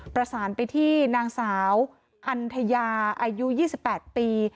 ประสานไปที่นางสาวอันทยาอายุ๒๘ปี